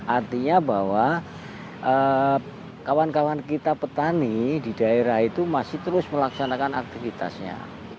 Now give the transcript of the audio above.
artinya bahwa kawan kawan kita petani di daerah itu masih terus melaksanakan aktivitasnya